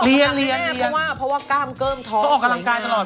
เพราะว่ากล้ามเกิ้มท้อสวยงาม